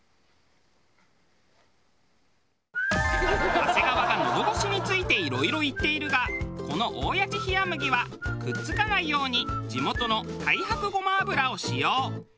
長谷川が喉越しについていろいろ言っているがこの大矢知冷麦はくっつかないように地元の太白ごま油を使用。